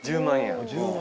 １０万円。